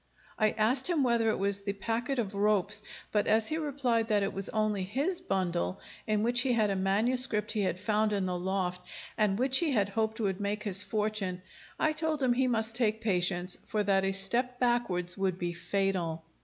I asked him whether it was the packet of ropes, but as he replied that it was only his bundle, in which he had a manuscript he had found in the loft, and which he had hoped would make his fortune, I told him he must take patience; for that a step backwards would be fatal.